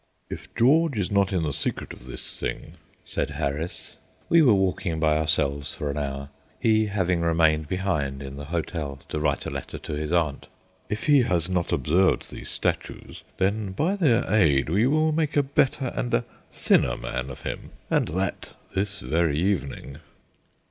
"If George is not in the secret of this thing," said Harris we were walking by ourselves for an hour, he having remained behind in the hotel to write a letter to his aunt, "if he has not observed these statues, then by their aid we will make a better and a thinner man of him, and that this very evening."